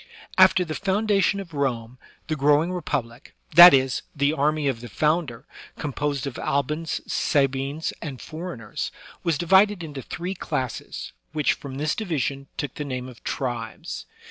After the foundation of Rome, the growing republic, that is, the army of the founder, composed of Albans, Sa bines, and foreigners, was divided into three classes, which, from this division, took the name of tribes.